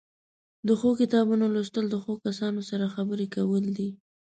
د ښو کتابونو لوستل له ښو کسانو سره خبرې کول دي.